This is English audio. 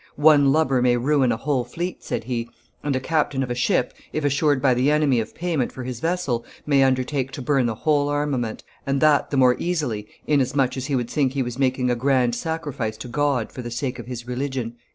"One lubber may ruin a whole fleet," said he, "and a captain of a ship, if assured by the enemy of payment for his vessel, may undertake to burn the whole armament, and that the more easily inasmuch as he would think he was making a grand sacrifice to God, for the sake of his religion."